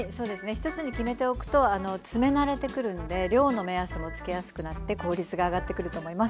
１つに決めておくとあの詰め慣れてくるので量の目安もつけやすくなって効率が上がってくると思います。